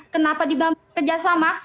kenapa di bekerja sama